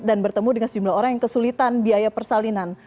dan bertemu dengan sejumlah orang yang kesulitan biaya persalinan